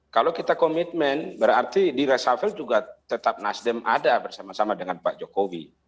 kalau kita komitmen berarti di reshuffle juga tetap nasdem ada bersama sama dengan pak jokowi